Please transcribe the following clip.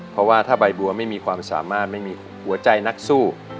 เพราะว่าถ้าใบบัวไม่มีความสามารถไม่มีหัวใจนักสู้